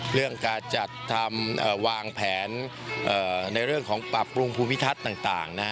เรื่องการจัดทำวางแผนในเรื่องของปรับปรุงภูมิทัศน์ต่าง